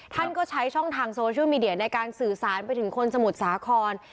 ท่านก็ใช้ช่องทางโซเชียลมีเดียในการสื่อสารไปถึงคนสมุทรสาคร